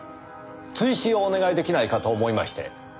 追試をお願い出来ないかと思いまして。